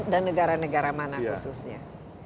dan negara negara mana khususnya